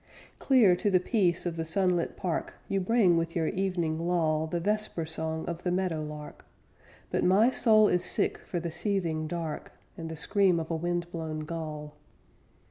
Clear to the peace of the sunlit park, You bring with your evening lull The vesper song of the meadow lark; But my soul is sick for the seething dark, And the scream of a wind blown gull.